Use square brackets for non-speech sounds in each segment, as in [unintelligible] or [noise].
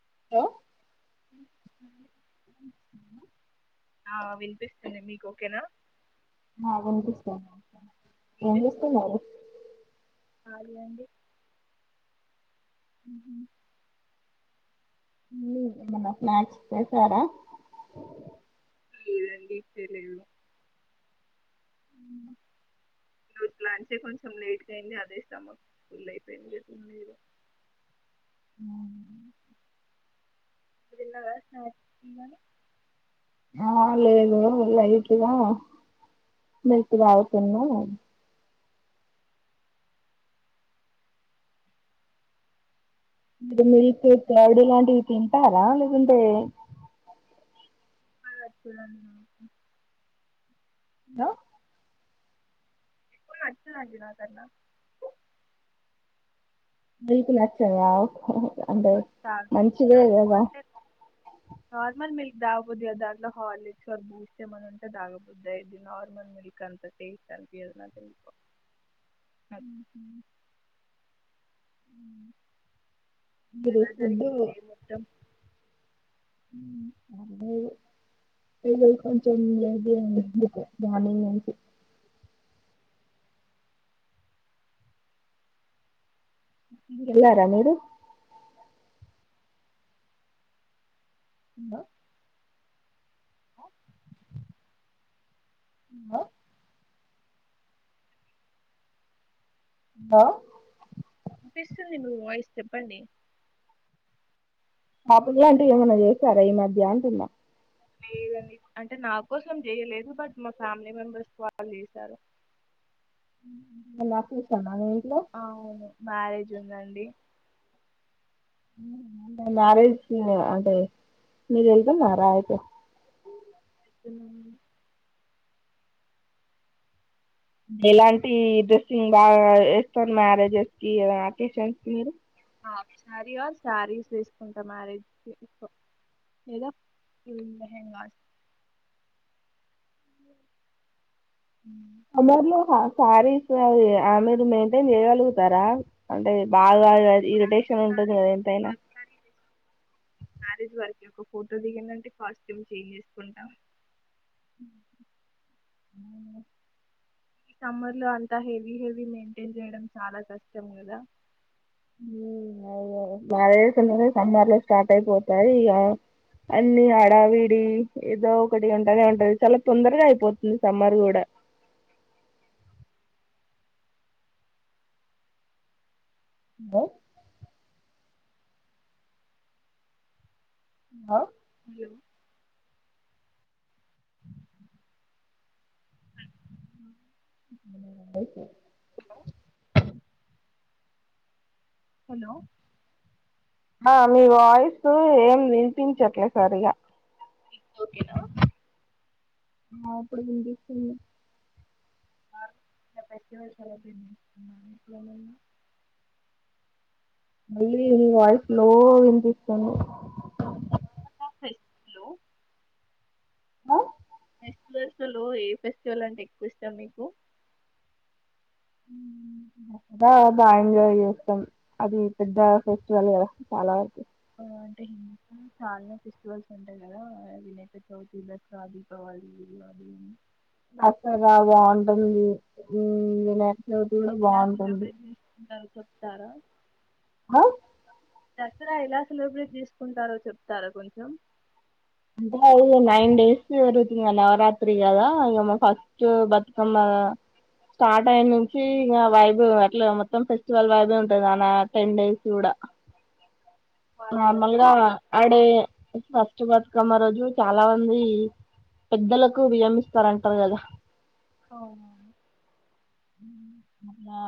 [unintelligible] వో ఆ ఆ వినిపిస్తుంది మీకు ఓకేనా ఆ వినిపిస్తున్ ఏం చేస్తున్నారు కాలి అండి ఆ [unintelligible] స్నాక్స్ చేసారా [unintelligible] చేయలేదు రోజు లంచే కొంచెం లేట్గా అయింది అదే స్టమక్ ఫుల్ అయిపోయింది క లేద అ తిన్నారా [unintelligible] ఆ లేదు లైట్గా మిల్క్ తగుతున్నా మీరు మిల్క్ కౌడ లాంటివి తింటారా లేదంటే [unintelligible] [unintelligible] [unintelligible] మీకు నచ్చాయా అంటే ఆహా కాదు మంచిదే కాదు కదా అంటే నార్మల్ మిల్క్ తాగ బుద్ధి గాదు దాంట్లో హార్లిక్గాని బూస్ట్ ఏమైనా ఉంటే తాగబుద్ధి అయిద్ది నార్మల్ మిల్క్ అంత టేస్ట్ అనిపియదు నాకు ఎందుకో మీరు ఎలా ఫుడ్ జరిగింది మొత్తం అదే [unintelligible] మార్నింగ్ [unintelligible] ఎలార మీరు అ ఆ ఆ పిస్తుంది మీ వాయిస్ చెప్పండి [unintelligible] లాంటివి ఏమన్నా చేశారా ఈ మధ్య అంటున్నా లేదండి అంటే నా కోసం చేయలేదు బట్ మా ఫ్యామిలీ మెంబర్స్ వాళ్ళు చేశారు [unintelligible] అ అవును మ్యారేజ్ ఉందండి మారేజ అంటే మీ వెళ్తున్నారా అతే మ్మ్ ఎలాంటి డ్రెస్సింగ్ బాగా ఏస్తారు మ్యారేజెస్ అకేషన్షన్స్ కి మీరు ఆ సారీ శారీస్ తీసుకుంటా మ్యారేజ్ కి ఎక్కువ లేదా మ్మ్ లెహంగాస్ మ్మ్ అందరిలో శారీస్ అ ఆ మీరు మెయింటైన్ చేయగలుగుతారా అంటే బాగా ఇరిటేషన్ ఉంటది కదా ఎంతైనా హాఫ్ సారీ మ్యారేజ్ వరకే ఒక ఫోటో దిగందంటే కాస్ట్యూమ్ చేంజ్ చేసుకుంటాం మ్మ్ సమ్మర్ లో అంతా హెవీ హెవీ మెయింటైన్ చేయడం చాలా కష్టం కదా మ్మ్ అవును మ్యారేజస్ సమ్మర్ లో స్టార్ట్ అయిపోతాయి ఇగ అన్ని అడావిడి ఏదో ఒకటి ఉంటనే ఉంటది చాలా తొందరగా అయిపోతుంది సమ్మర్ కూడా బో ఆ [inaudible] మ్మ్ అయిపాయ్ హలో ఆ మీ వాయిస్ ఏం వినిపించట్లే సరిగా ఓకేనా ఆ ఇప్పుడిపిస్తుంది [unintelligible] ఇప్పుడు [unintelligible] మళ్ళీ నీ వాయిస్ లో వినిపిస్తుంది హలో ఫెస్టివల్స్ లో ఏ ఫెస్టివల్ అంటే ఎక్కువ ఇష్టం మీకు మ్మ్ బాగా బాగా ఎంజాయ్ చేస్తాం అది పెద్ద ఫెస్టివల్ కదా చాలా వరకు ఆ అంటే హిందు చాలా ఫెస్టివల్స్ ఉంటాయి కదా వినయక చవితి దసరా దీపావళి అది దసరా బాగుంటుంది మ్మ్ [unintelligible] అంటే ఎలా బాగుంటుంది సెలెబ్రేట్ చేసుకుంటారు చెప్తారా హ దసరా ఎలా సెలెబ్రేట్ చేసుకుంటారో చెప్తారా కొంచెం అంటే అది నైన్ డేస్ జరుగుతు ఇం నవరాత్రి కదా ఇక ఫస్ట్ బతుకమ్మ స్టార్ట్ అయిన నుంచి ఇగ వైభవ్ అట్లా మొత్తం ఫెస్టివల్ వైభవ ఉంటది నాన్న టెన్ డేస్ కూడా వాడతారా మీరు నార్మల్గా అడే ఫస్ట్ బతుకమ్మ రోజు చాలా మంది పెద్దలకు వియమిస్తారంటారు కదా అవునవును మ్మ్ మల్లా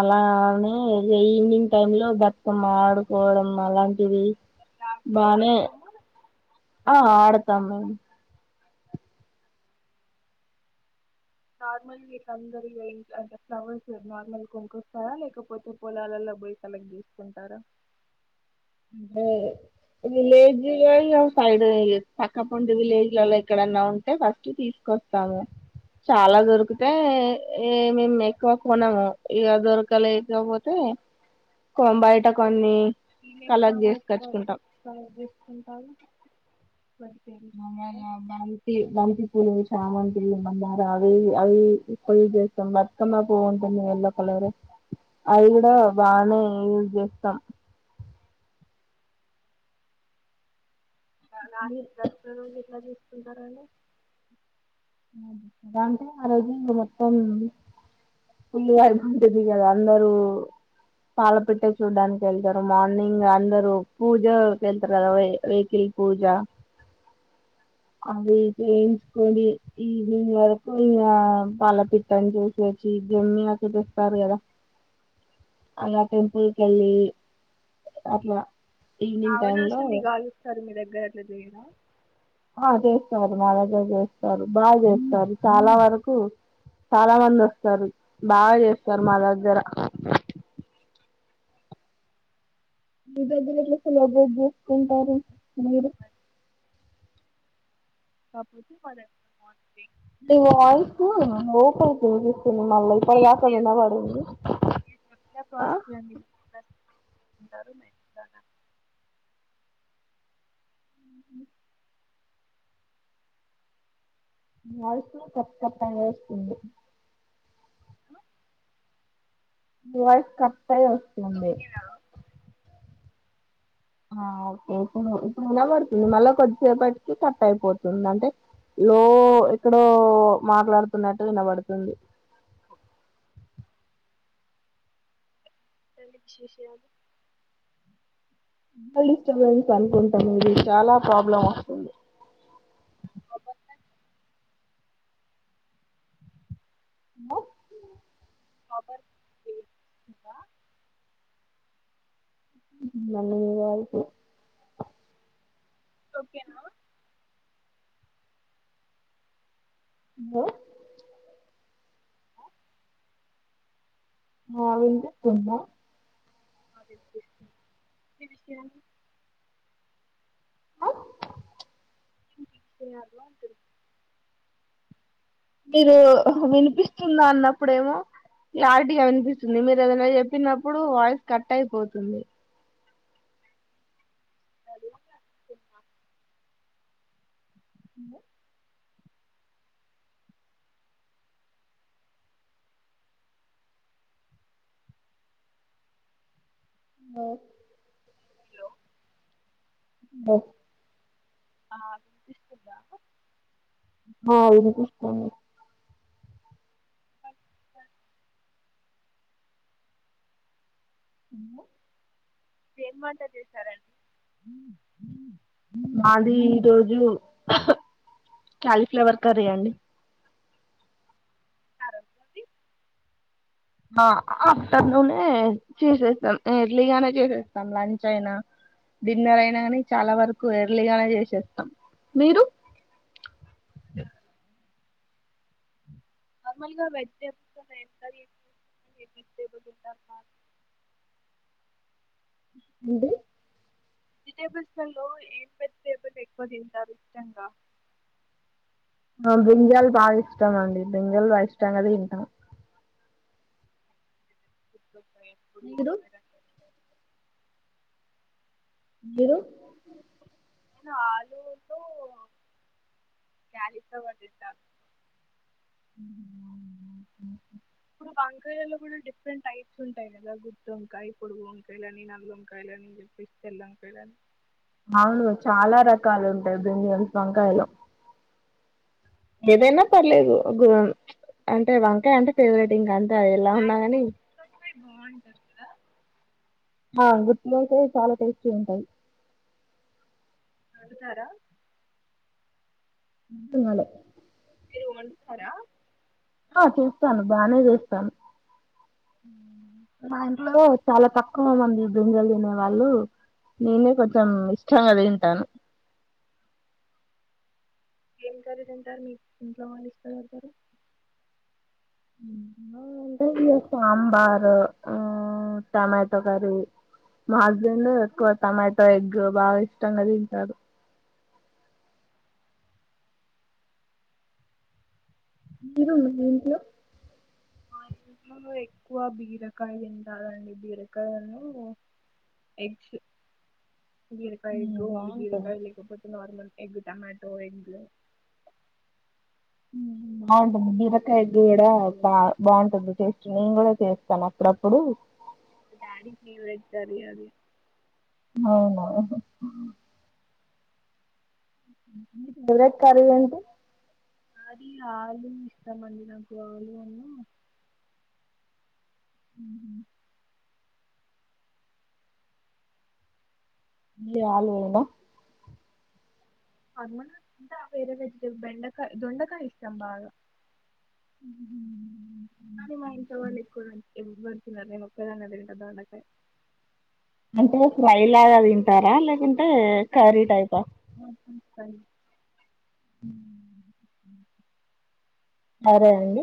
అలానే ఈవినింగ్ టైమ్ లో బతుకమ్మ ఆడుకోవడం అలాంటివి మీరు ఆడుతారా బానే బతుకమ్మ ఆ ఆడతాం మేమ్ నార్మల్ వీళందరి అంటే ఫ్లవర్స్ నార్మల్ కొనుకొస్తారా లేకపోతే పొలాలలో పోయి కలెక్ట్ చేసుకుంటారా అంటే విలేజ్లో సైడ్ పక్కపండి విలేజ్లలో ఎక్కడన్నా ఉంటే ఫస్ట్ తీసుకొస్తాము చాలా దొరికితే ఏ మేము ఎక్కువ కొనము ఇక దొరకలేకపోతే కొంబయట కొన్ని ఏమేమీ కలెక్ట్ కొనకాచ్ క చేసుకచ్చుకుంటాం కలెక్ట్ చేసుకుంటారు వాటి పేర్లు బంతి బంతి పూలు చామంతి మందార అవి అవి యూజ్ చేస్తాం బతుకమ్మ పువ్వు ఉంటుంది ఎల్లో కలర్ అవి కూడా బానే యూజ్ చేస్తాం [inaudible] ఉంటనండి ంటే ఆ రోజు మొత్తం పుల్లిగాయ పంటది కదా అందరుూ పాల పెట్టే చూడ్డానికి వెళ్తారు మార్నింగ్ అందరుూ పూజక వెళ్తారు కదా వెహకిల్ పూజ అది చేయించుకని ఈవింగ్ వరకు ఇంగ వాళ్ళ పిట్టని చూసేసి దున్ని అ చూపిస్తారు కదా అలా టెంపుల్ కి వెళ్ళి అట్లా ఈవినింగ్ అవునా టైమ్ లో [unintelligible] మీ దగ్గర గర్ల [unintelligible] ఆ చేస్తారు మా దగ్గర చేస్తారు బాగా చేస్తారు చాలా వరకు చాలా మంది వస్తారు బాగా చేస్తారు మా దగ్గర మీ దగ్గర ఎలా సెలెబ్రేట్ చేసుకుంటారు మీరు [unintelligible] అంటే వాయిస్ [unintelligible] సినిమల్ల ఇప్పుడు సేమ్ దాకా మీరు వినబడింది మీరు చెప్పిన ప్రాసెస్ అండి మీరు ఎట్లా [unintelligible] వాయిస్ కట్ కట్ అయి వస్తుంది హ వాయిస్ కట్ అయ్యి వస్తుంది ఓకేనా ఓకే ఇ ఇప్పుడు వినబడుతుంది మళ్ళా కొద్దిసేపటికి కట్ అయిపోతుంది అంటే లో ఎక్కడో మాట్లాడుతున్నట్టు వినబడుతుంది ఇంకేంటి విశేషాలు ల్ డిస్టర్బెన్స్ అనుకుంటాం ఇది చాలా ప్రాబ్లం వస్తుంది కాపర్ [unintelligible] [unintelligible] [unintelligible] ఓకేనా హలో ఆ వినిపిస్తుందా ఆ వినిపిస్తుంది ఇంకేంటి విషయాలు ఇంకేంటి విషయాలు అంటున్న మీరు వినిపిస్తుంద అన్నప్పుడ ఏమో క్లారిటీగా వినిపిస్తుంది మీరు ఏదనా చెప్పినప్పుడు వాయిస్ కట్ అయిపోతుంది అంటున్నారు హలో హలో హలో హలో ఆ వినిపిస్తుందా ఆ వినిపిస్తుంది [unintelligible] ఏం వంట చేశారండి మాది ఈ రోజు కాలీఫ్లవర్ కర్రీ అండి ఆ రోజుది ఆఫ్టర్నూనే చేసేస్తాం ఎర్లీగానే చేసేస్తాం లంచ్ అయినా డిన్నర్ అయినా కాని చాలా వరకు ఎర్లీగానే చేసేస్తాం మీరు నార్మల్గా వెజిటేబుల్స్ వెజ్ కర్రీస్ [unintelligible] అండి వెజిటేబుల్స్లలో ఏం పెజిటేబుల్ ఎక్కువ తింటారు ఇష్టంగా ఆ బ్రింజల్ బాగా ఇష్టం అండి బ్రింజల్ బాగా ఇష్టంగా తింటా గుత్తొక్కాయ, ఎప్పుడు అందరూ వంకాయ మీరు నేను ఆలుతో క్యాలీఫ్లవర్ తింటా [unintelligible] ఇప్పుడు వంకాయలలో కూడా డిఫరెంట్ టైప్స్ ఉంటాయి కదా గుత్త వంకాయ పొడుగు వంకాయలు అని నల్ల వంకాయలు అని చెప్పేసి తెల్ల వంకాయలుని అవును చాలా రకాలు ఉంటాయి బ్రింజల్స్ వంకాయలు ఏదైనా పర్లేదు అంటే వంకాయ అంటే ఫేవరెట్ ఇంక అంత ఎలా ఉన్నా గని [unintelligible] బాగుంటుందిా కదా ఆ గుర్తి అయితే చాలా టేస్టీ ఉంటాయి అ తార అంతన్నాళ మీరు వంటతారా ఆ చేస్తాను బానే చేస్తాను ఉ మా ఇంట్లో చాలా తక్కువ మంది బింజలు తినే వాళ్ళు నేనే కొంచెం ఇష్టంగా తింటాను ఏం జరదుంటారు మీకు ఇంట్లో వాళ్ళ ఇస్తకోగగుతారు సాంబారు టమాటో కర్రీ మా హస్బెండ్ ఎక్కువ టమాటో ఎగ్ బాగా ఇష్టంగా తింటారు మీరు ఏంటి ఆ ఇంలో ఎక్కువ బీరకాయ తి బీరకాయలను ఎగ్స్ బీరకాయ ఉమ్ ఎగ్ బాగుంటుంది బీరకాయలపోతే నార్మల్ ఎగ్ టొమాటో ఎగ్ బాగుంటుంది బిరకాయగ్ కూడా బా బాగుంటుంది టేస్ట్ నేను కూడా చేస్తాను అప్పుడప్పుడు డాడీ ఫేవరెట్ కర్రీ అది అవునా ఫవరెట్ క ఏంట నాది ఆలు ఇష్టమండి నాకులు అన్న ఉ ఉ ఇ ఆలు వంద అక ఇంటా వేర వెజటబ బెండకాయ దొండకాయ ఇష్టం బాగా అ మా ఇం సవాల ఎకు ఎవ్వరి డిన్నర్ నేను ఒక్కదాన్నే తింటా దొండకాయ్ అంటే ఫ్రైలాగ తింటారా లేదా కర్రీ ఉ హమ్ ఫ్రై ఉమ్ సరే అండి